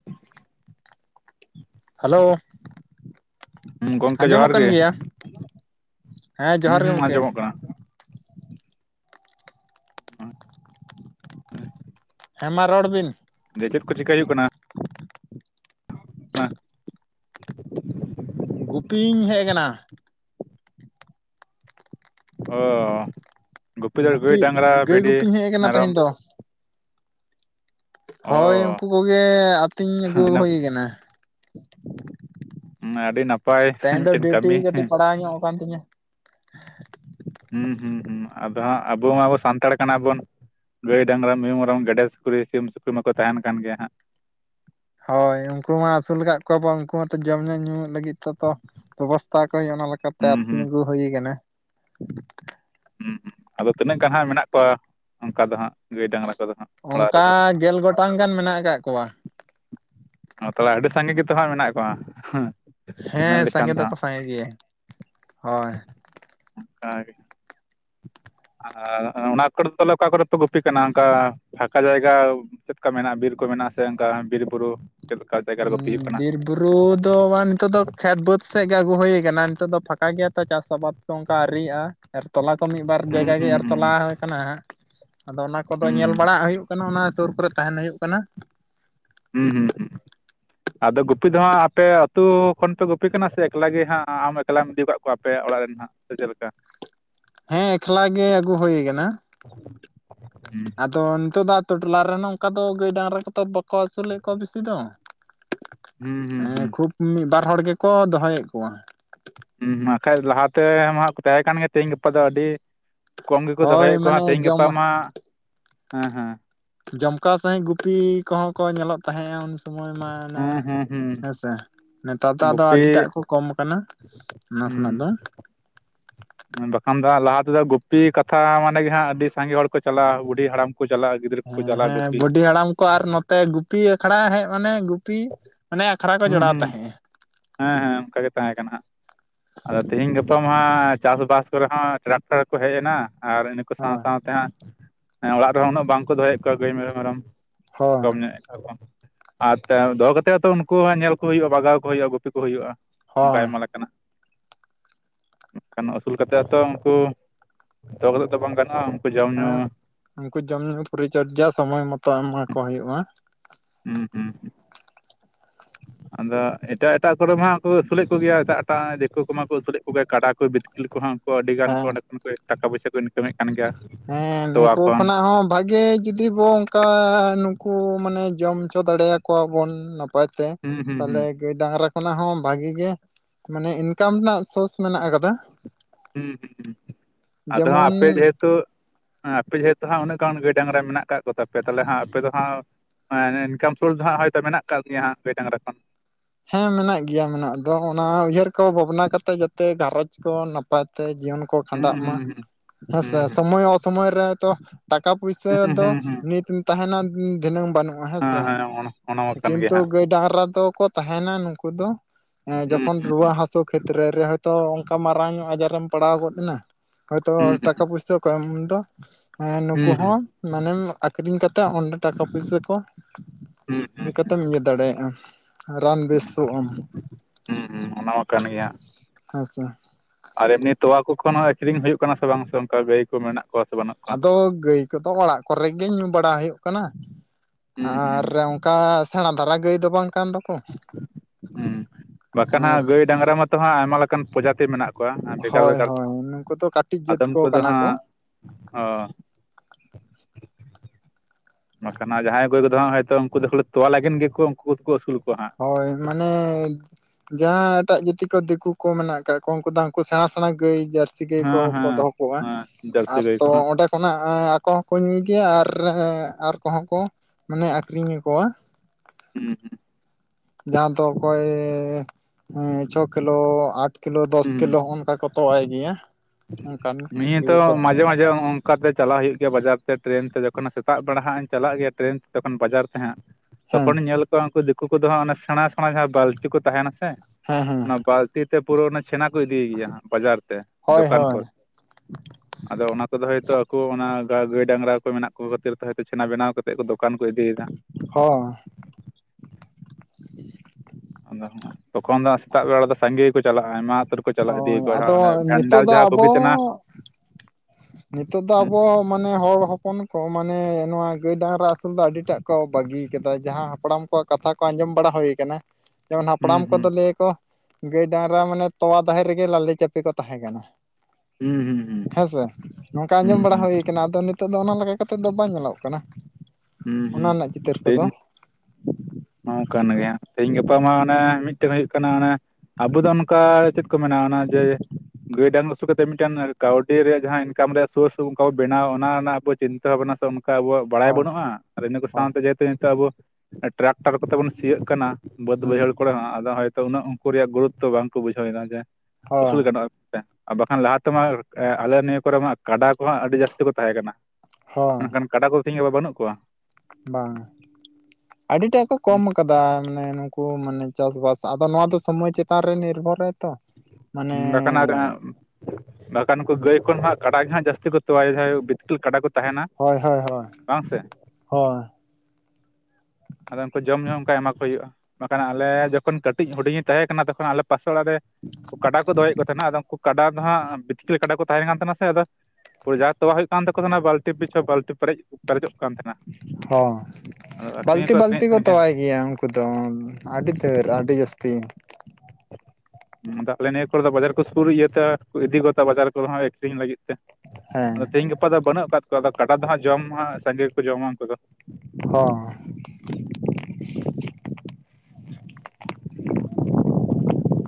[inaudible] Hello ᱦᱩᱸ ᱜᱚᱝᱠᱮ ᱟᱸᱡᱚᱢᱚᱜ ᱡᱚᱦᱟᱨ ᱠᱟᱱ ᱜᱮ ᱜᱮᱭᱟ ᱦᱮᱸ ᱦᱩᱸ ᱡᱚᱦᱟᱨ ᱜᱮ ᱦᱩᱸ ᱜᱚᱢᱠᱮ ᱟᱸᱡᱚᱢᱚᱜ ᱠᱟᱱᱟ ᱦᱮᱸ ᱦᱮᱸ ᱢᱟ ᱨᱚᱲ ᱵᱤᱱ ᱪᱮᱫ ᱠᱚ ᱪᱤᱠᱟᱹᱭ ᱦᱩᱭᱩᱜ ᱠᱟᱱᱟ ᱦᱮᱸ ᱜᱩᱯᱤᱧ ᱦᱮᱡ ᱠᱟᱱᱟ ᱚ ᱜᱩᱯᱤ ᱫᱚ ᱜᱟᱹᱭ ᱰᱟᱝᱨᱟ ᱜᱟᱹᱭ ᱵᱷᱤᱰᱤ ᱜᱩᱯᱤᱧ ᱦᱮᱡ ᱟᱠᱟᱱᱟ ᱢᱮᱨᱚᱢ ᱛᱮᱦᱮᱧ ᱫᱚ ᱚ ᱦᱳᱭ ᱩᱱᱠᱩ ᱠᱚᱜᱮ ᱟᱹᱛᱤᱧ ᱟᱹᱜᱩ ᱦᱳᱭ ᱠᱟᱱᱟ ᱦᱮᱸ ᱟᱹᱰᱤ ᱱᱟᱯᱟᱭ ᱛᱮᱦᱮᱧ ᱫᱚ ᱢᱤᱫᱴᱮᱱ ᱰᱤᱣᱴᱤ ᱠᱟᱹᱢᱤ ᱠᱟᱹᱴᱤᱡ ᱯᱟᱲᱟᱣ ᱧᱚᱜ ᱟᱠᱟᱱ ᱛᱤᱧᱟᱹ ᱦᱩᱸ ᱦᱩᱸ ᱦᱩᱸ ᱟᱫᱚ ᱦᱟᱸᱜ ᱟᱵᱚ ᱢᱟᱵᱚ ᱥᱟᱱᱛᱟᱲ ᱠᱟᱱᱟ ᱵᱚᱱ ᱾ ᱜᱟᱹᱭ ᱰᱟᱝᱨᱟ, ᱢᱤᱦᱩ ᱢᱮᱨᱚᱢ, ᱜᱮᱰᱮ, ᱥᱩᱠᱨᱤ, ᱥᱤᱢ ᱥᱩᱠᱨᱤ ᱢᱟᱠᱚ ᱛᱟᱦᱮᱱ ᱠᱟᱱ ᱜᱮᱭᱟ ᱦᱟᱸᱜ ᱾ ᱦᱳᱭ ᱩᱱᱠᱩ ᱢᱟ ᱟᱹᱥᱩᱞ ᱟᱠᱟᱫ ᱠᱚᱣᱟ ᱵᱚ ᱩᱱᱠᱩ ᱢᱟᱛᱚ ᱡᱚᱢ ᱧᱩ, ᱧᱩ ᱞᱟᱹᱜᱤᱫ ᱛᱚ ᱵᱮᱵᱚᱥᱛᱷᱟ ᱠᱚ ᱦᱩᱭᱩᱜ ᱚᱱᱟ ᱞᱮᱠᱟᱛᱮ ᱦᱩᱸ ᱦᱩᱸ ᱟᱹᱛᱤᱧ ᱟᱹᱜᱩ ᱦᱩᱭ ᱠᱟᱱᱟ ᱾ ᱦᱩᱸᱸ ᱟᱫᱚ ᱛᱤᱱᱟᱹᱜ ᱜᱟᱱ ᱦᱟᱸᱜ ᱢᱮᱱᱟᱜ ᱠᱚᱣᱟ, ᱚᱱᱠᱟ ᱫᱚ ᱦᱟᱸᱜ ᱜᱟᱹᱭ ᱰᱟᱝᱨᱟ ᱠᱚᱫᱚ ᱦᱟᱸᱜ ᱾ ᱚᱱᱠᱟ ᱜᱮᱞ ᱜᱚᱴᱟᱝ ᱜᱟᱱ ᱢᱮᱱᱟᱜ ᱟᱠᱟᱫ ᱠᱚᱣᱟ ᱾ ᱛᱟᱦᱚᱞᱮ ᱟᱹᱰᱤ ᱥᱟᱸᱜᱮ ᱜᱮᱛᱚ ᱦᱟᱸᱜ ᱢᱮᱱᱟᱜ ᱠᱚᱣᱟ ᱾ ᱦᱮᱸ ᱥᱟᱸᱜᱮ ᱫᱚᱠᱚ ᱥᱟᱸᱜᱮ ᱜᱮᱭᱟ ᱦᱳᱭ ᱾ ᱚᱱᱠᱟ ᱜᱮ ᱾ ᱟᱨ ᱚᱱᱟ ᱠᱚᱨᱮ ᱫᱚ ᱚᱠᱟ ᱠᱚᱨᱮ ᱛᱚ ᱜᱩᱯᱤ ᱠᱟᱱᱟ ᱚᱱᱠᱟ ᱯᱷᱟᱠᱟ ᱡᱟᱭᱜᱟ ᱪᱮᱫ ᱞᱮᱠᱟ ᱢᱮᱱᱟᱜᱼᱟ, ᱵᱤᱨ ᱠᱚ ᱢᱮᱱᱟᱜᱼᱟ ᱥᱮ ᱚᱱᱠᱟ ᱵᱤᱨᱵᱩᱨᱩ ᱦᱩᱸ ᱵᱤᱨ ᱵᱩᱨᱩ ᱫᱚ ᱵᱟᱝ ᱱᱤᱛᱚᱜ ᱫᱚ ᱠᱷᱮᱛ ᱵᱟᱹᱫᱽ ᱥᱮᱫ ᱜᱮ ᱟᱹᱜᱩ ᱦᱩᱭ ᱟᱠᱟᱱᱟ᱾ ᱱᱤᱛᱚᱜ ᱫᱚ ᱯᱷᱟᱸᱠᱟ ᱜᱮᱭᱟ ᱛᱚ ᱪᱟᱥ ᱟᱵᱟᱫ ᱠᱚ ᱚᱱᱠᱟ ᱟᱹᱣᱤᱟᱜᱼᱟ ᱾ ᱟᱨ ᱛᱚᱞᱟ ᱠᱚ ᱢᱤᱫ ᱵᱟᱨ ᱦᱩᱸ ᱡᱟᱭᱜᱟ ᱜᱮ ᱟᱨ ᱛᱚᱞᱟ ᱦᱩᱸ ᱦᱩᱭ ᱠᱟᱱᱟ ᱦᱟᱸᱜ ᱾ ᱟᱫᱚ ᱚᱱᱟ ᱠᱚᱫᱚ ᱧᱮᱞ ᱦᱩᱸ ᱵᱟᱲ ᱦᱩᱭᱩᱜ ᱠᱟᱱᱟ᱾ ᱚᱱᱟ ᱥᱩᱨ ᱠᱚᱨᱮ ᱛᱟᱦᱮᱱ ᱦᱩᱭᱩᱜ ᱠᱟᱱᱟ᱾ ᱦᱩᱸ, ᱦᱩᱸ, ᱦᱩᱸ ᱾ ᱟᱫᱚ ᱜᱩᱯᱤ ᱫᱚ ᱦᱟᱸᱜ ᱟᱯᱮ ᱟᱛᱳ ᱠᱷᱚᱱ ᱯᱮ ᱜᱩᱯᱤ ᱠᱟᱱᱟ ᱥᱮ ᱮᱠᱞᱟ ᱜᱮ ᱦᱟᱸᱜ ᱟᱢ ᱮᱠᱞᱟᱢ ᱤᱫᱤ ᱠᱟᱫ ᱠᱚᱣᱟ ᱯᱮ ᱟᱯᱮᱭᱟᱜ ᱚᱲᱟᱜ ᱨᱮᱱ ᱦᱟᱸᱜ ᱥᱮ ᱪᱮᱫ ᱞᱮᱠᱟ? ᱦᱮᱸ ᱮᱠᱞᱟ ᱜᱮ ᱟᱹᱜᱩ ᱦᱩᱭ ᱠᱟᱱᱟ ᱦᱩᱸ ᱾ ᱟᱫᱚ ᱱᱤᱛᱚᱜ ᱫᱚ ᱟᱛᱳ ᱴᱚᱞᱟ ᱨᱮᱱ ᱚᱱᱠᱟ ᱫᱚ ᱜᱟᱹᱭ ᱰᱟᱹᱝᱨᱟ ᱠᱚᱫᱚ ᱵᱟᱠᱚ ᱟᱹᱥᱩᱞᱮᱫ ᱠᱚᱣᱟ ᱵᱮᱥᱤ ᱫᱚ ᱦᱩᱸ ᱾ ᱦᱩᱸ ᱦᱮᱸ ᱦᱩᱸ ᱠᱷᱩᱵ ᱢᱤᱫ ᱵᱟᱨ ᱦᱚᱲ ᱜᱮᱠᱚ ᱫᱚᱦᱚᱭᱮᱫ ᱠᱚᱣᱟ ᱾ ᱦᱩᱸ ᱵᱟᱠᱷᱟᱡ ᱞᱟᱦᱟᱛᱮ ᱢᱟ ᱦᱟᱸᱜ ᱠᱚ ᱛᱟᱦᱮᱸ ᱠᱟᱱ ᱜᱮᱭᱟ ᱛᱮᱦᱮᱧ ᱜᱟᱯᱟ ᱫᱚ ᱟᱹᱰᱤ ᱠᱚᱢ ᱜᱮᱠᱚ ᱫᱚᱦᱚᱭᱮᱫ ᱦᱳᱭ ᱠᱚᱣᱟ ᱢᱟᱱᱮ ᱛᱮᱦᱤᱧ ᱜᱟᱯᱟ ᱡᱚᱢ ᱢᱟ ᱦᱮᱸ ᱦᱮᱸ ᱾ ᱡᱚᱢᱠᱟ ᱥᱟᱺᱦᱤᱡ ᱜᱩᱯᱤ ᱠᱚᱦᱚᱸ ᱠᱚ ᱧᱮᱞᱚᱜ ᱛᱟᱦᱮᱸᱜᱼᱟ ᱾ ᱥᱚᱢᱚᱭ ᱢᱟ ᱦᱩᱸ ᱦᱩᱸ ᱦᱩᱸ ᱦᱮᱸ ᱥᱮ ᱱᱮᱛᱟᱨ ᱫᱚ ᱟᱫᱚ ᱜᱩᱯᱤ ᱟᱹᱰᱤᱴᱟᱜ ᱠᱚ ᱠᱚᱢ ᱠᱟᱱᱟ ᱾ ᱚᱱᱟ ᱦᱩᱸ ᱠᱷᱚᱱᱟᱜ ᱫᱚ [inaudible] ᱵᱟᱠᱷᱟᱱ ᱫᱚ ᱞᱟᱦᱟ ᱛᱮᱫᱚ ᱜᱩᱯᱤ ᱠᱟᱛᱷᱟ ᱢᱟᱱᱮ ᱜᱮ ᱦᱟᱸᱜ ᱟᱹᱰᱤ ᱥᱟᱸᱜᱮ ᱦᱚᱲ ᱠᱚ ᱪᱟᱞᱟᱜᱼᱟ, ᱵᱩᱰᱦᱤ ᱦᱟᱲᱟᱢ ᱠᱚ ᱪᱟᱞᱟᱜᱼᱟ ᱜᱤᱫᱽᱨᱟᱹ ᱠᱚᱠᱚ ᱪᱟᱞᱟᱜᱼᱟ ᱦᱮᱸ ᱜᱩᱯᱤ ᱾ ᱵᱩᱰᱷᱤ ᱦᱟᱲᱟᱢ ᱟᱨ ᱱᱚᱛᱮ ᱜᱩᱯᱤ ᱟᱠᱷᱲᱟ ᱦᱮᱡ ᱢᱟᱱᱮ ᱜᱩᱯᱤ ᱢᱟᱱᱮ ᱟᱠᱷᱲᱟ ᱠᱚ ᱦᱩᱸ ᱡᱚᱲᱟᱣ ᱦᱩᱸ ᱛᱟᱦᱮᱸᱜᱼᱟ ᱾ ᱦᱮᱸ, ᱦᱮᱸ ᱚᱱᱠᱟ ᱜᱮ ᱛᱟᱦᱮᱸ ᱠᱟᱱᱟ ᱦᱟᱸᱜ ᱾ ᱟᱫᱚ ᱛᱮᱦᱤᱧ ᱜᱟᱯᱟ ᱢᱟ ᱦᱟᱸᱜ ᱪᱟᱥᱵᱟᱥ ᱠᱚᱨᱮ ᱦᱚᱸ ᱴᱨᱟᱠᱴᱚᱨ ᱠᱚ ᱦᱮᱡ ᱮᱱᱟ ᱟᱨ ᱥᱟᱶ ᱥᱟᱶᱛᱮ ᱦᱟᱸᱜ ᱚᱲᱟᱜ ᱨᱮᱦᱚᱸ ᱩᱱᱟᱜ ᱵᱟᱝᱠᱚ ᱫᱚᱦᱚᱭᱮᱫ ᱠᱚᱣᱟ ᱜᱟᱹᱭ ᱢᱮᱨᱚᱢ, ᱢᱮᱨᱚᱢ ᱦᱚᱸ ᱠᱚᱢ ᱧᱚᱜ ᱠᱚ ᱟᱨ ᱫᱚᱦᱚ ᱠᱟᱛᱮ ᱛᱚ ᱩᱱᱠᱩ ᱦᱚᱸ ᱧᱮᱞ ᱠᱚ ᱦᱩᱭᱩᱜᱼᱟ, ᱵᱟᱜᱟᱣ ᱠᱚ ᱦᱩᱭᱩᱜᱼᱟ ᱾ ᱜᱩᱞᱤ ᱠᱚ ᱦᱩᱭᱩᱜᱼᱟ, ᱚᱱᱠᱟ ᱦᱚᱸ ᱟᱭᱢᱟ ᱞᱮᱠᱟᱱᱟᱜ ᱾ ᱮᱠᱷᱟᱱ ᱟᱹᱥᱩᱞ ᱠᱟᱛᱮᱫ ᱛᱚ ᱩᱱᱠᱩ ᱫᱚᱦᱚ ᱠᱟᱛᱮᱫ ᱫᱚ ᱵᱟᱝ ᱜᱟᱱᱚᱜᱼᱟ, ᱩᱱᱠᱩ ᱡᱚᱢ ᱧᱩ ᱦᱮᱸ ᱩᱱᱠᱩ ᱡᱚᱢ ᱧᱩ ᱯᱚᱨᱤᱪᱚᱨᱡᱟ ᱥᱚᱢᱚᱭ ᱢᱚᱛᱚ ᱮᱢᱟ ᱠᱚ ᱦᱩᱭᱩᱜᱼᱟ᱾ ᱦᱩᱸ, ᱦᱩᱸ, ᱦᱩᱸ ᱾ ᱟᱫᱚ ᱮᱴᱟᱜ ᱮᱴᱟᱜ ᱠᱚᱨᱮ ᱢᱟᱠᱚ ᱟᱹᱥᱩᱞᱮᱫ ᱠᱚᱜᱮᱭᱟ ᱾ᱮᱴᱟᱜ ᱮᱴᱟᱜ ᱫᱤᱠᱩ ᱠᱚᱢᱟ ᱠᱚ ᱟᱹᱥᱩᱞᱮᱫ ᱠᱚᱜᱮᱭᱟ᱾ ᱠᱟᱰᱟ ᱠᱚ ᱵᱤᱛᱠᱤᱞ ᱠᱚᱦᱚᱸ ᱩᱱᱠᱩ ᱟᱹᱰᱤ ᱜᱟᱱ ᱠᱚ ᱦᱮᱸ ᱚᱸᱰᱮ ᱠᱷᱚᱱ ᱴᱟᱠᱟ ᱯᱚᱭᱥᱟ ᱠᱚ ᱤᱱᱠᱟᱢᱮᱫ ᱠᱟᱱ ᱜᱮᱭᱟ᱾ ᱦᱮᱸ, ᱛᱚᱣᱟ ᱱᱩᱠᱩ ᱠᱷᱚᱱ ᱠᱷᱚᱱᱟᱜ ᱦᱚᱸ ᱵᱷᱟᱜᱮ ᱡᱩᱫᱤ ᱵᱚ ᱚᱱᱠᱟ ᱱᱩᱠᱩ ᱢᱟᱱᱮ ᱡᱚᱢ ᱪᱚ ᱫᱟᱲᱮ ᱟᱠᱚ ᱠᱚᱣᱟ ᱵᱚᱱ ᱱᱟᱯᱟᱭ ᱛᱮ, ᱦᱩᱸ ᱦᱩᱸ ᱦᱩᱸ ᱛᱟᱞᱮ ᱜᱟᱹᱭ ᱰᱟᱝᱨᱟ ᱠᱷᱚᱱᱟᱜ ᱦᱚᱸ ᱵᱷᱟᱹᱜᱤ ᱜᱮ, ᱢᱟᱱᱮ ᱤᱱᱠᱟᱢ ᱨᱮᱱᱟᱜ ᱥᱳᱨᱥ ᱢᱮᱱᱟᱜ ᱟᱠᱟᱫᱟ᱾ ᱦᱩᱸ, ᱦᱩᱸ ᱟᱫᱚ ᱡᱮᱢᱚᱱ ᱟᱯᱮ ᱡᱮᱦᱮᱛᱩ ᱦᱮᱸ, ᱟᱯᱮ ᱡᱮᱦᱮᱛᱩ ᱦᱟᱸᱜ ᱩᱱᱟᱹᱜ ᱜᱟᱱ ᱜᱟᱹᱭ ᱰᱟᱝᱨᱟ ᱢᱮᱱᱟᱜ ᱠᱟᱜ ᱠᱚ ᱛᱟᱯᱮ, ᱛᱟᱦᱮ ᱦᱟᱸᱜ ᱟᱯᱮ ᱫᱚ ᱦᱟᱸᱜ ᱦ ᱤᱱᱠᱟᱢ ᱥᱳᱨᱥ ᱦᱟᱸᱜ ᱦᱳᱭᱛᱳ ᱢᱮᱱᱟᱜ ᱟᱠᱟᱫ ᱛᱤᱭᱟ ᱦᱟᱸᱜ ᱜᱟᱹᱭ ᱰᱟᱝᱨᱟ ᱠᱷᱚᱱ᱾ ᱦᱮᱸ ᱢᱮᱱᱟᱜ ᱜᱮᱭᱟ ᱢᱮᱱᱟᱜ ᱫᱚ᱾ᱚᱱᱟ ᱩᱭᱦᱟᱹᱨ ᱠᱚ ᱵᱷᱟᱵᱽᱱᱟ ᱠᱟᱛᱮᱜ ᱡᱟᱛᱮ ᱜᱷᱟᱨᱚᱸᱧᱡᱽ ᱠᱚ ᱱᱟᱯᱟᱭ ᱛᱮ ᱡᱤᱭᱚᱱ ᱠᱚ ᱠᱚ ᱦᱩᱸ ᱠᱷᱟᱸᱰᱟᱜ ᱢᱟ᱾ ᱦᱩᱸ ᱦᱩᱸ ᱦᱮᱸᱥᱮ ᱥᱚᱢᱚᱭ ᱚᱥᱚᱢᱚᱭ ᱨᱮ ᱦᱚᱛᱚ ᱴᱟᱠᱟ ᱯᱩᱭᱥᱟᱹ ᱦᱩᱸ ᱦᱩᱸ ᱦᱩᱸ ᱫᱚ ᱦᱩᱸ ᱦᱩᱸ ᱱᱤᱛᱧ ᱛᱟᱦᱮᱱᱟ ᱫᱷᱤᱱᱟᱹᱝ ᱵᱟᱹᱱᱩᱜ᱾ ᱦᱮᱸ ᱥᱮ ᱚᱱᱟ ᱚᱱᱟ ᱢᱟ ᱠᱟᱱ ᱜᱮ ᱠᱤᱱᱛᱩ ᱦᱟᱸᱜ ᱜᱟᱹᱭ ᱰᱟᱝᱨᱟ ᱫᱚᱠᱚ ᱛᱟᱦᱮᱱᱟ ᱱᱩᱠᱩ ᱫᱚ᱾ ᱦᱩᱸ ᱡᱚᱠᱷᱚᱱ ᱨᱩᱣᱟᱹ ᱦᱟᱹᱥᱩ ᱠᱷᱮᱛᱨᱮ ᱨᱮ ᱦᱚᱭᱛᱚ ᱚᱱᱠᱟ ᱢᱟᱨᱟᱝᱚᱜ ᱟᱡᱟᱨ ᱨᱮᱢ ᱯᱟᱲᱟᱣ ᱜᱚᱫ ᱮᱱᱟ, ᱦᱚᱭᱛᱳ ᱦᱩᱸ ᱦᱩᱸ ᱴᱟᱠᱟ ᱯᱩᱭᱥᱟ ᱠᱚᱢ ᱫᱚ ᱦᱮᱸ ᱦᱩᱸ ᱱᱩᱠᱩ ᱦᱩᱸ ᱦᱚᱸ ᱢᱟᱱᱮᱢ ᱟᱠᱷᱚᱨᱤᱧ ᱠᱟᱛᱮᱫ ᱚᱸᱰᱮ ᱴᱟᱠᱟ ᱯᱩᱭᱥᱟᱹ ᱠᱚ᱾ ᱦᱮᱸ ᱦᱮᱸ ᱠᱟᱛᱮᱢ ᱤᱭᱟᱹ ᱫᱟᱲᱮᱭᱟᱜᱼᱟ ᱨᱟᱱ ᱵᱮᱥᱚᱜᱼᱟᱢ᱾ ᱦᱩᱸ ᱦᱩᱸ ᱚᱱᱟ ᱢᱟ ᱠᱟᱱ ᱜᱮᱭᱟ᱾ ᱦᱮᱸᱪᱷᱟ᱾ ᱟᱨ ᱮᱢᱱᱤ ᱛᱚᱣᱟ ᱠᱚ ᱠᱷᱚᱱ ᱦᱚᱸᱚᱸ ᱟᱠᱷᱨᱤᱧ ᱦᱩᱭᱩᱜ ᱠᱟᱱᱟ ᱥᱮ ᱵᱟᱝ ᱥᱮ ᱚᱱᱠᱟ ᱜᱟᱹᱭ ᱠᱚ ᱢᱮᱱᱟᱜ᱾ ᱠᱚᱣᱟ ᱥᱮ ᱵᱟᱹᱱᱩᱜ ᱠᱚᱣᱟ? ᱟᱫᱚ ᱜᱟᱹᱭ ᱠᱚᱫᱚ ᱚᱲᱟᱜ ᱠᱚᱨᱮ ᱜᱮ ᱧᱩ ᱵᱟᱲᱟ ᱦᱩᱭᱩᱜ ᱠᱟᱱᱟ᱾ ᱦᱩᱸ ᱦᱩᱸ ᱟᱨ ᱚᱱᱠᱟ ᱥᱮᱬᱟ ᱫᱷᱟᱨᱟ ᱜᱟᱹᱭ ᱫᱚ ᱵᱟᱝ ᱠᱟᱱ ᱫᱚᱠᱚ᱾ ᱦ ᱟᱭᱢᱟ ᱞᱮᱠᱟᱱ ᱯᱨᱚᱡᱟᱛᱤ ᱢᱮᱱᱟᱜ ᱠᱚᱣᱟ ᱵᱷᱮᱜᱟᱨ ᱦᱳᱭ ᱵᱷᱮᱜᱟᱨ, ᱦᱳᱭ ᱱᱩᱠᱩ ᱫᱚ ᱠᱟᱹᱴᱤᱡ ᱡᱟᱹᱛ ᱟᱫᱚᱢ ᱠᱚ ᱠᱚᱫᱚ ᱠᱟᱱᱟ ᱠᱚ ᱦᱟᱸ ᱚᱻ ᱵᱟᱠᱷᱟᱱ ᱡᱟᱦᱟᱸᱭ ᱜᱟᱹᱭ ᱠᱚᱫᱚ ᱦᱟᱸᱜ ᱩᱱᱠᱩ ᱫᱚ ᱛᱚᱣᱟ ᱞᱟᱹᱜᱤᱫ ᱜᱮᱠᱚ ᱩᱱᱠᱩ ᱠᱚᱠᱚ ᱟᱹᱥᱩᱞ ᱠᱚᱣᱟᱸᱜ ᱦᱟᱜ᱾ ᱦᱳᱭ ᱢᱟᱱᱮ᱾ ᱡᱟᱦᱟᱸ ᱮᱴᱟᱜ ᱡᱟᱹᱛᱤ ᱠᱚ ᱫᱤᱠᱩ ᱠᱚ ᱢᱮᱱᱟᱜ ᱠᱟᱜ ᱠᱚᱣᱟ, ᱩᱱᱠᱩ ᱫᱚ ᱩᱱᱠᱩ ᱥᱮᱬᱟ ᱥᱮᱬᱟ ᱜᱟᱹᱭ ᱡᱟᱹᱨᱥᱤ ᱛᱮᱜᱮ ᱦᱮᱸ ᱠᱚᱠᱚ ᱦᱮᱸ ᱫᱚᱦᱚ ᱠᱚᱣᱟ ᱦᱮᱸ ᱡᱟᱹᱨᱥᱤ ᱟᱨ ᱜᱟᱹᱭ ᱛᱚ ᱠᱚ ᱦᱟᱸᱜ ᱚᱸᱰᱮ ᱚᱱᱟᱱᱟᱜ ᱟᱠᱚ ᱦᱚᱸᱠᱚ ᱧᱩᱭ ᱜᱮᱭᱟ ᱟᱨ ᱟᱨ ᱠᱚᱦᱚᱸ ᱠᱚ ᱢᱟᱱᱮ ᱟᱠᱷᱨᱤᱧ ᱟᱠᱚᱣ᱾ ᱦᱩᱸ ᱦᱩᱸ ᱡᱟᱦᱟᱸ ᱫᱚ ᱚᱠᱚᱭ ᱪᱷᱚ ᱠᱤᱞᱳ ᱟᱴ ᱠᱤᱞᱳ ᱫᱚᱥ ᱦᱩᱸ ᱠᱤᱞᱳ ᱱᱚᱜᱝᱠᱟ᱾ ᱠᱚ ᱛᱳᱭᱟ ᱟᱭ ᱜᱮᱭᱟ᱾ ᱚᱱᱠᱟᱱ ᱱᱤᱭᱟᱹ ᱜᱮ ᱛᱚ ᱢᱟᱡᱷᱮ ᱢᱟᱡᱷᱮ ᱚᱱᱠᱟᱛᱮ ᱪᱟᱞᱟᱜ ᱦᱩᱭᱩᱜ ᱜᱮᱭᱟ ᱵᱟᱡᱟᱨ ᱛᱮ ᱴᱨᱮᱹᱱ ᱛᱮ ᱡᱚᱠᱷᱚᱱ ᱥᱮᱛᱟᱜ ᱵᱮᱲᱟ ᱦᱟᱸᱜ ᱤᱧ ᱪᱟᱞᱟᱜ ᱜᱮᱭᱟ, ᱴᱨᱮᱱ ᱛᱮ ᱛᱚᱠᱷᱚᱱ ᱵᱟᱡᱟᱨ ᱛᱮ ᱦᱟᱸᱜ ᱦᱮᱸ ᱛᱚᱠᱷᱚᱱ ᱤᱧ ᱧᱮᱞ ᱠᱚᱣᱟ ᱩᱱᱠᱩ ᱫᱤᱠᱩ ᱠᱚᱫᱚ ᱦᱟᱸᱜ ᱚᱱᱟ ᱥᱮᱬᱟ ᱥᱮᱬᱟ ᱡᱟᱦᱟᱸ ᱵᱟᱹᱛᱤ ᱠᱚ ᱛᱟᱦᱮᱱᱟ ᱥᱮ ᱦᱮᱸ ᱦᱮᱸ ᱚᱱᱟ᱾ ᱛᱤ ᱛᱮ ᱯᱩᱨᱟᱹ ᱪᱷᱮᱱᱟ ᱠᱚ ᱤᱫᱤᱭ ᱜᱮᱭᱟ ᱵᱟᱡᱟᱨ ᱛᱮ ᱦᱳᱭ ᱫᱚᱠᱟᱱ ᱦᱳᱭ ᱠᱚᱨᱮ᱾ ᱟᱫᱚ ᱚᱱᱟ ᱠᱚᱫᱚ ᱦᱚᱭᱛᱚ ᱟᱠᱚ ᱚᱱᱟ ᱜᱟᱹᱭ ᱰᱟᱝᱨᱟ ᱠᱚ ᱢᱮᱱᱟᱜ ᱠᱚ ᱠᱷᱟᱹᱛᱤᱨ ᱛᱮ ᱪᱷᱮᱱᱟ ᱵᱮᱱᱟᱣ ᱠᱟᱛᱮᱫ ᱫᱚᱠᱟᱱ ᱠᱚ ᱤᱫᱤ ᱭᱮᱫᱟ᱾ ᱦᱚᱸᱻ [inaudible] ᱟᱫᱚ ᱛᱚᱠᱷᱚᱱ ᱫᱚ ᱥᱮᱛᱟᱜ ᱵᱮᱲᱟ ᱫᱚ ᱥᱟᱸᱜᱮ ᱜᱮᱠᱚ ᱪᱟᱞᱟᱜᱼᱟ ᱟᱭᱢᱟ᱾ ᱟᱹᱨ ᱠᱚ ᱪᱟᱞᱟᱣ ᱦᱳᱭ ᱤᱫᱤᱭᱟᱠᱚᱣᱟ ᱟᱫᱚ ᱡᱟᱦᱟᱸ ᱵᱷᱮᱱᱰᱟᱨ ᱱᱤᱛᱚᱜ ᱫᱚ ᱡᱟᱦᱟᱸ ᱟᱵᱚ ᱵᱩᱜᱤᱱᱟ᱾ ᱱᱤᱛᱚᱜ ᱫᱚ ᱟᱵᱚ ᱢᱟᱱᱮ ᱦᱚᱲ ᱦᱚᱯᱚᱱ ᱠᱚ ᱢᱟᱱᱮ ᱱᱚᱣᱟ ᱜᱟᱹᱭ ᱰᱟᱝᱨᱟ ᱟᱹᱥᱩᱞ ᱫᱚ ᱟᱹᱰᱤᱴᱟᱜ ᱠᱚ ᱵᱟᱹᱜᱤᱭ ᱟᱠᱟᱫᱟ ᱡᱟᱦᱟᱸ ᱦᱟᱯᱲᱟᱢ ᱠᱚᱣᱟᱜ ᱠᱟᱛᱷᱟ ᱠᱚ ᱟᱸᱡᱚᱢ ᱵᱟᱲᱟ ᱦᱩᱭ ᱟᱠᱟᱱᱟ ᱾ ᱡᱮᱢᱚᱱ ᱦᱟᱯᱲᱟᱢ ᱦᱩᱸ ᱠᱚᱫᱚ ᱞᱟᱹᱭᱟ ᱟᱠᱚ᱾ ᱜᱟᱹᱭ ᱰᱟᱝᱨᱟ ᱢᱟᱱᱮ ᱛᱚᱣᱟ ᱫᱟᱦᱮ ᱨᱮᱜᱮ ᱞᱟᱹᱞᱮ ᱪᱟᱯᱤ ᱠᱚ ᱛᱟᱦᱮᱸ ᱠᱟᱱᱟ᱾ ᱦᱩᱸ ᱦᱩᱸ ᱦᱩᱸ ᱦᱮᱸ ᱥᱮᱮ ᱱᱚᱝᱠᱟ ᱦᱩᱸ ᱟᱸᱡᱚᱢ ᱦᱩᱸ ᱵᱟᱲᱟ ᱦᱩᱸ ᱦᱩᱭ ᱠᱟᱱᱟ᱾ᱟᱫᱚ ᱱᱤᱛᱚᱜ ᱫᱚ ᱚᱱᱟ ᱞᱮᱠᱟ ᱠᱟᱛᱮᱜ ᱫᱚ ᱵᱟᱭ ᱧᱮᱞᱚᱜ ᱠᱟᱱᱟ᱾ ᱦᱩᱸ ᱦᱩᱸ ᱚᱱᱟ ᱨᱮᱱᱟᱜ ᱪᱤᱛᱟᱹᱨ ᱠᱚᱫᱚ᱾ ᱱᱚᱠᱟᱱ ᱜᱮ ᱛᱮᱦᱤᱧ ᱜᱟᱯᱟ ᱢᱟ ᱚᱱᱮ ᱢᱤᱫᱴᱮᱱ ᱦᱩᱭᱩᱜ ᱠᱟᱱᱟ ᱚᱱᱮ ᱟᱵᱚ ᱫᱚ ᱚᱝᱠᱟ ᱪᱮᱫ ᱢᱮᱱᱟ ᱡᱮ ᱜᱟᱹᱭ ᱰᱟᱝᱟᱹ ᱥᱩ ᱛᱮ ᱢᱤᱫᱴᱟᱝ ᱠᱟᱹᱣᱰᱤ ᱨᱮᱭᱟᱜ ᱡᱟᱦᱟᱸ ᱤᱱᱠᱟᱢ ᱨᱮᱭᱟᱜ ᱥᱳᱨᱥ ᱚᱱᱠᱟ ᱵᱚ ᱵᱮᱱᱟᱣᱟ ᱚᱱᱟ ᱨᱮᱱᱟᱜ ᱟᱵᱚ ᱪᱤᱱᱛᱟᱹ ᱵᱷᱟᱵᱱᱟ ᱥᱮ ᱚᱱᱠᱟ ᱟᱵᱚᱣᱟᱜ᱾ ᱵᱟᱲᱟᱭ ᱦᱳᱭ ᱵᱟᱹᱱᱩᱜᱼᱟ ᱟᱨ ᱤᱱᱟᱹ ᱠᱚ ᱦᱳᱭ ᱥᱟᱶᱛᱮ ᱡᱮᱦᱮᱛᱩ ᱱᱮᱛᱚᱜ ᱟᱵᱚ ᱴᱨᱟᱠᱴᱟᱨ ᱠᱚᱛᱮ ᱵᱚᱱ ᱥᱤᱭᱳᱜ ᱠᱟᱱᱟ ᱵᱟᱹᱫ ᱦᱩᱸ ᱵᱟᱹᱭᱦᱟᱹᱲ ᱠᱚ ᱠᱚᱨᱮ ᱦᱚᱸ ᱟᱫᱚ ᱦᱚᱭᱛᱳ ᱩᱱᱟᱹᱜ ᱩᱱᱠᱩ ᱨᱮᱭᱟᱜ ᱜᱩᱨᱩᱛᱛᱚ ᱵᱟᱝᱠᱚ ᱵᱩᱡᱷᱟᱹᱣ ᱫᱟ ᱡᱮ ᱦᱳᱭ ᱟᱹᱥᱩᱞ ᱜᱟᱱᱚᱜᱼᱟ ᱥᱮ ᱟᱨ ᱵᱟᱠᱷᱟᱱ ᱞᱟᱦᱟ ᱛᱮᱢᱟ ᱟᱞᱮ ᱱᱤᱭᱟᱹ ᱠᱚᱨᱮ ᱢᱟ ᱠᱟᱰᱟ ᱠᱚᱦᱚᱸ ᱟᱹᱰᱤ ᱡᱟᱹᱥᱛᱤ ᱠᱚ ᱛᱟᱦᱮᱸ ᱠᱟᱱᱟ ᱢᱮᱱᱠᱷᱟᱱ ᱠᱟᱰᱟ ᱠᱚ ᱛᱤᱦᱮᱧ ᱜᱟᱯᱟ ᱵᱟᱹᱱᱩᱜ ᱠᱚᱣᱟ? ᱵᱟᱝᱼᱟ ᱾ ᱟᱹᱰᱤᱴᱟᱜ ᱠᱚ ᱠᱚᱢ ᱠᱟᱫᱼ ᱫᱟ ᱢᱟᱱᱮ ᱱᱩᱠᱩ ᱢᱟᱱᱮ ᱪᱟᱥᱵᱟᱥ ᱟᱫᱚ ᱱᱚᱣᱟ ᱫᱚ ᱥᱚᱢᱚᱭ ᱪᱮᱛᱟᱱ ᱨᱮ ᱱᱤᱨᱵᱷᱚᱨᱟᱭ ᱛᱚ ᱢᱟᱱᱮ ᱵᱟᱠᱷᱟᱱ ᱟᱨ ᱵᱟᱠᱷᱟᱱ ᱩᱱᱠᱩ ᱜᱟᱹᱭ ᱠᱷᱚᱱ ᱦᱟᱸᱜ ᱠᱟᱰᱟ ᱜᱮ ᱦᱟᱸᱜ ᱡᱟᱹᱥᱛᱤ ᱠᱚ ᱛᱚᱣᱟᱭᱟ ᱵᱤᱛᱠᱤᱞ ᱠᱟᱰᱟ ᱠᱚ ᱛᱟᱦᱮᱱᱟ ᱦᱳᱭ ᱦᱳᱭ ᱦᱳᱭ ᱵᱟᱝ ᱥᱮ ᱾ ᱦᱳᱭ ᱟᱫᱚ ᱩᱱᱠᱩ ᱡᱚᱢ ᱧᱩ ᱚᱱᱠᱟ ᱮᱢᱟ ᱠᱚ ᱦᱩᱭᱩᱜᱼᱟ ᱵᱟᱠᱷᱟᱱ ᱟᱞᱮ ᱡᱚᱠᱷᱚᱱ ᱠᱟᱹᱴᱤᱡ ᱦᱩᱰᱤᱧ ᱮ ᱛᱟᱦᱮᱸ ᱠᱟᱱᱟ ᱛᱚᱠᱷᱚᱱ ᱟᱞᱮ ᱯᱟᱥᱮ ᱚᱲᱟᱜ ᱨᱮ ᱠᱟᱰᱟ ᱠᱚ ᱫᱚᱦᱚᱭᱮᱫ ᱠᱚ ᱛᱟᱦᱮᱸᱱᱟ ᱟᱫᱚ ᱩᱱᱠᱩ ᱠᱟᱰᱟ ᱱᱟᱦᱟᱜ ᱵᱤᱛᱠᱤᱞ ᱠᱟᱰᱟ ᱠᱚ ᱛᱟᱦᱮ ᱠᱟᱱ ᱱᱟᱥᱮ ᱟᱫᱚ ᱯᱩᱨᱟᱹ ᱡᱟ ᱛᱚᱣᱟ ᱦᱩᱭᱩᱜ ᱠᱟᱱ ᱛᱟᱠᱚᱱᱟ ᱵᱟᱹᱞᱛᱤ ᱯᱤᱪᱷᱩ ᱵᱟᱞᱛᱤ ᱯᱮᱨᱮᱡ ᱯᱮᱨᱮᱡᱚᱜ ᱠᱟᱱ ᱛᱟᱦᱮᱱᱟ ᱦᱚᱸ ᱟᱫᱚ ᱟᱹᱠᱷᱨᱤᱧ ᱵᱟᱹᱞᱛᱤ ᱦᱚᱸᱠᱚ ᱵᱟᱹᱞᱛᱤ ᱟᱹᱠᱷᱨᱤᱧᱮᱫ ᱠᱚ ᱛᱟᱦᱮᱱ ᱛᱚᱣᱟᱭ ᱜᱮᱭᱟ ᱩᱱᱠᱩ ᱫᱚ ᱟᱹᱰᱤ ᱫᱷᱟᱹᱨ ᱟᱹᱰᱤ ᱡᱟᱹᱥᱛᱤ ᱟᱫᱚ ᱟᱞᱮ ᱱᱤᱭᱟᱹ ᱠᱚᱨᱮ ᱫᱚ ᱵᱟᱡᱟᱨ ᱠᱚ ᱥᱩᱨ ᱜᱤᱭᱟᱹᱛᱮ ᱤᱫᱤ ᱜᱚᱫᱟ ᱵᱟᱡᱟᱨ ᱠᱚᱨᱮ ᱦᱚᱸ ᱟᱹᱠᱷᱨᱤᱧ ᱞᱟᱹᱜᱤᱫ ᱛᱮ ᱦᱮᱸ ᱟᱫᱚ ᱛᱮᱦᱤᱧ ᱜᱟᱯᱟ ᱫᱚ ᱵᱟᱹᱱᱩᱜ ᱠᱟᱫ ᱠᱚᱣᱟ ᱟᱫᱚ ᱠᱟᱰᱟ ᱫᱚ ᱡᱚᱢ ᱦᱟᱸᱜ ᱥᱟᱸᱜᱮ ᱜᱮ ᱠᱚ ᱡᱚᱢᱟ ᱩᱱᱠᱩ ᱫᱚ ᱦᱚᱸ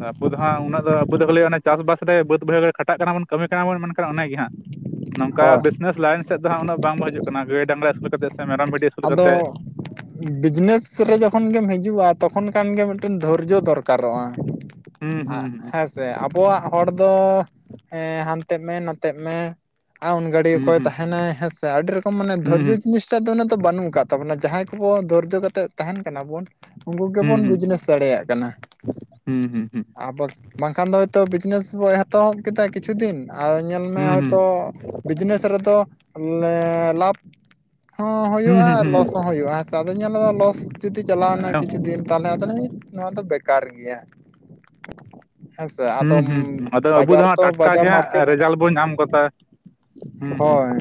ᱟᱵᱚ ᱫᱚ ᱦᱟᱸᱜ ᱩᱱᱟᱹᱜ ᱟᱵᱚ ᱫᱚ ᱠᱚ ᱠᱷᱟᱹᱞᱤ ᱚᱱᱮ ᱪᱟᱥ ᱵᱟᱥ ᱨᱮ ᱵᱟᱹᱫ ᱵᱟᱹᱭᱦᱟᱹᱲ ᱨᱮ ᱠᱷᱟᱴᱟᱜ ᱠᱟᱱᱟ ᱵᱚᱱ ᱠᱟᱹᱢᱤ ᱠᱟᱱᱟ ᱵᱚᱱ ᱢᱟᱱᱮ ᱚᱱᱟᱜᱮ ᱦᱟᱸᱜ ᱱᱚᱝᱠᱟ ᱦᱳᱭ ᱵᱤᱡᱽᱱᱮᱥ ᱞᱟᱭᱤᱱ ᱥᱮᱫ ᱫᱚ ᱦᱟᱸᱜ ᱩᱱᱟᱹᱜ ᱵᱟᱝᱵᱚᱱ ᱦᱤᱡᱩᱜ ᱠᱟᱱᱟ ᱜᱟᱹᱭ ᱰᱟᱝᱨᱟ ᱟᱹᱥᱩᱞ ᱠᱟᱛᱮᱫ ᱥᱮ ᱢᱮᱨᱚᱢ ᱵᱷᱤᱰᱤ ᱟᱹᱥᱩᱞ ᱟᱫᱚ ᱠᱟᱛᱮᱫ ᱵᱤᱡᱽᱱᱮᱥ ᱨᱮ ᱡᱚᱠᱷᱚᱱ ᱜᱮᱢ ᱦᱤᱡᱩᱜᱼᱟ ᱛᱚᱠᱷᱚᱱ ᱠᱷᱟᱱᱜᱮ ᱢᱤᱫᱴᱮᱱ ᱫᱷᱳᱨᱡᱚ ᱫᱚᱨᱠᱟᱨᱚᱜᱼᱟ ᱦᱩᱸ ᱦᱩᱸ ᱟᱜ ᱦᱮᱸ ᱥᱮ ᱟᱵᱚᱣᱟᱜ ᱦᱚᱲ ᱫᱚ ᱮᱸ ᱦᱟᱱᱛᱮᱜ ᱢᱮ ᱱᱟᱛᱮᱜ ᱢᱮ ᱟᱨ ᱩᱱ ᱜᱷᱟᱹᱲᱤᱠ ᱦᱩᱸ ᱚᱠᱚᱭ ᱦᱩᱸ ᱛᱟᱦᱮᱱᱟᱭ ᱦᱮᱸᱥᱮ ᱟᱹᱰᱤ ᱨᱚᱠᱚᱢ ᱢᱟᱱᱮ ᱫᱷᱳᱨᱡᱚ ᱦᱩᱸ ᱡᱤᱱᱤᱥ ᱴᱟᱜ ᱫᱚ ᱩᱱᱟᱹᱜ ᱫᱚ ᱵᱟᱹᱱᱩᱜ ᱠᱟᱫ ᱛᱟᱵᱚᱱᱟ ᱡᱟᱦᱟᱸᱭ ᱠᱚ‌ᱠᱚ ᱫᱷᱳᱨᱡᱚ ᱠᱟᱛᱮᱫ ᱛᱟᱦᱮᱱ ᱠᱟᱱᱟ ᱵᱚᱱ ᱩᱱᱠᱩ ᱦᱩᱸ ᱜᱮᱵᱚᱱ ᱦᱩᱸ ᱵᱤᱡᱽᱱᱮᱥ ᱫᱟᱲᱮᱭᱟᱜ ᱠᱟᱱᱟ ᱦᱩᱸ ᱦᱩᱸ ᱦᱩᱸ ᱾ ᱟᱨ ᱵᱟᱼᱼ ᱵᱟᱝᱠᱷᱟᱱ ᱫᱚ ᱦᱚᱭᱛᱳ ᱵᱤᱡᱽᱱᱮᱥ ᱮᱛᱚᱦᱚᱵ ᱠᱮᱫᱟ ᱠᱤᱪᱷᱩ ᱫᱤᱱ ᱟᱨ ᱧᱮᱞᱢᱮ ᱦᱩᱸ ᱦᱩᱸ ᱦᱚᱭᱛᱚ ᱦᱩᱸ ᱵᱤᱡᱽᱱᱮᱥ ᱨᱮᱫᱚ ᱮᱸ ᱞᱟᱵᱷ ᱦᱚᱸ ᱦᱩᱸ ᱦᱳᱭᱳᱜᱼᱟ ᱦᱩᱸ ᱟᱨ ᱦᱩᱸ ᱞᱚᱥ ᱦᱚᱸ ᱦᱭᱳᱜᱼᱟ ᱦᱮᱥᱮ ᱟᱫᱚ ᱧᱮᱞᱢᱮ ᱞᱚᱥ ᱡᱩᱫᱤ ᱪᱟᱞᱟᱣ ᱮᱱᱟ ᱠᱤᱪᱷᱩ ᱫᱤᱱ ᱛᱟᱞᱼ ᱟᱫᱚᱢ ᱞᱮᱭᱟ ᱱᱚᱣᱟ ᱫᱚ ᱵᱮᱠᱟᱨ ᱜᱮᱭᱟ ᱦᱮᱸᱥᱮ ᱟᱫᱚ ᱦᱩᱸ ᱦᱩᱸ ᱟᱫᱚ ᱟᱵᱚ ᱫᱚ ᱵᱟᱡᱟᱨ ᱦᱟᱸᱜ ᱴᱟᱴᱠᱟ ᱵᱟᱡᱟᱨ ᱜᱮ ᱦᱟᱸᱜ ᱢᱟᱨᱠᱮᱴ ᱨᱮᱡᱟᱞᱴ ᱵᱚᱱ ᱧᱟᱢ ᱜᱚᱫᱟ ᱦᱩᱸ ᱦᱩᱸ ᱦᱳᱭ